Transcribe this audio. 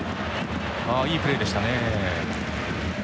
ああいいプレーでしたね。